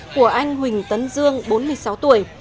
của anh huỳnh tấn dương bốn mươi sáu tuổi